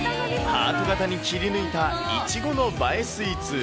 ハート形に切り抜いたイチゴの映えスイーツ。